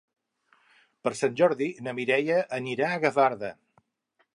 Per Sant Jordi na Mireia anirà a Gavarda.